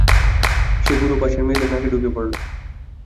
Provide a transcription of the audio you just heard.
সে গুঁড়ো পাশের মেয়েদের নাকে ঢুকে পড়ল।